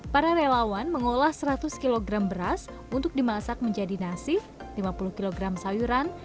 para relawan mengolah seratus kg beras untuk dimasak menjadi nasi lima puluh kg sayuran